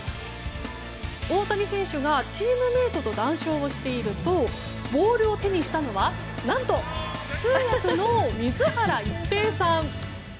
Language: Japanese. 大谷選手がチームメートと談笑しているとボールを手にしたのは何と通訳の水原一平さん。